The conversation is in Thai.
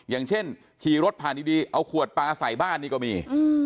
อย่างเช่นขี่รถผ่านดีเอาขวดปลาใส่บ้านนี่ก็มี